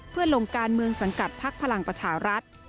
เพื่อลงการเมืองสังกัดพักพลังประชารัฐ